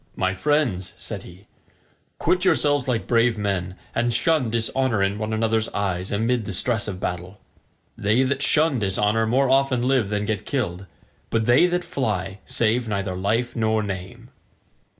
"My friends," said he, "quit yourselves like brave men, and shun dishonour in one another's eyes amid the stress of battle. They that shun dishonour more often live than get killed, but they that fly save neither life nor name."